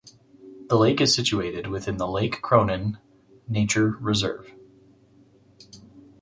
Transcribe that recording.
The lake is situated within the Lake Cronin Nature Reserve.